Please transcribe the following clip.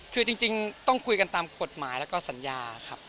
คือจริงต้องคุยกันตามกฎหมายแล้วก็สัญญาครับ